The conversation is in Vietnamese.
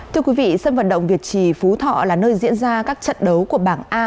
thưa quý vị sân vận động việt trì phú thọ là nơi diễn ra các trận đấu của bảng a